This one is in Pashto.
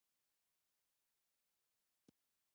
افغانستان په لمریز ځواک غني دی.